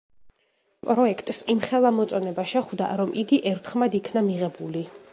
პროექტს იმხელა მოწონება შეხვდა, რომ იგი ერთხმად იქნა მიღებული.